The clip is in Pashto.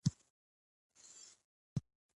زده کوونکي و درس ته متوجه کول،